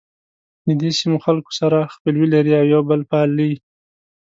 ددې سیمو خلک سره خپلوي لري او یو بل پالي.